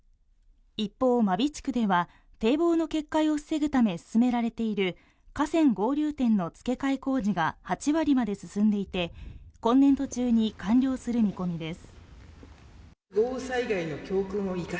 一方、真備地区では堤防の決壊を防ぐため進められている河川合流点のつけかえ工事が８割まで進んでいて、今年度中に完了する見込みです。